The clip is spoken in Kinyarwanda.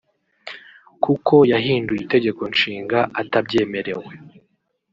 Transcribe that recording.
kuko yahinduye itegeko nshinga atabyemerewe